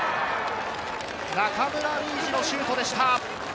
中村ルイジのシュートでした。